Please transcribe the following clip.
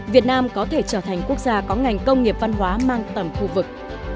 việt nam có thể trở thành quốc gia có ngành công nghiệp văn hóa mang tầm khu vực